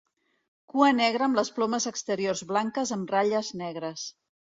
Cua negra amb les plomes exteriors blanques amb ratlles negres.